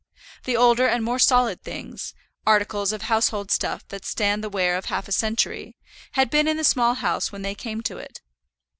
The older and more solid things, articles of household stuff that stand the wear of half a century, had been in the Small House when they came to it.